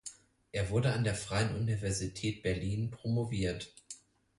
Er wurde an der Freien Universität Berlin promoviert.